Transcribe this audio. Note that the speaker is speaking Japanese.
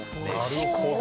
なるほど。